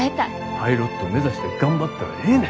パイロット目指して頑張ったらええね。